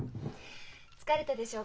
疲れたでしょ？